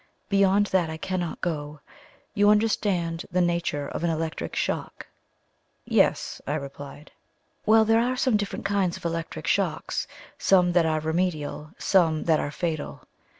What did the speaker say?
Beyond that I cannot go. You understand the nature of an electric shock?" "Yes," I replied. "Well, there are different kinds of electric shocks some that are remedial, some that are fatal.